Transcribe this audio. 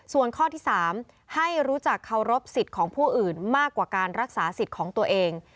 ส่วนข้อที่๓ให้รู้จักเคารพสิทธิ์ของผู้อื่นมากกว่าการรักษาสิทธิ์ของตัวเอง